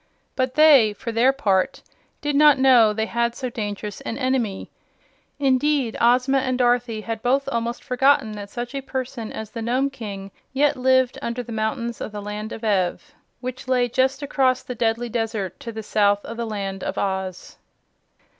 But they, for their part, did not know they had so dangerous an enemy. Indeed, Ozma and Dorothy had both almost forgotten that such a person as the Nome King yet lived under the mountains of the Land of Ev which lay just across the deadly desert to the south of the Land of Oz.